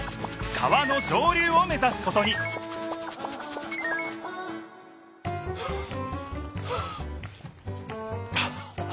川の上流を目ざすことにはあはあはあ。